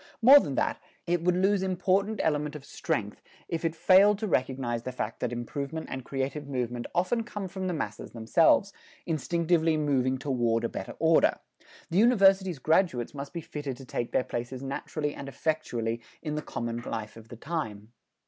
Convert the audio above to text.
More than that, it would lose important element of strength if it failed to recognize the fact that improvement and creative movement often come from the masses themselves, instinctively moving toward a better order. The University's graduates must be fitted to take their places naturally and effectually in the common life of the time.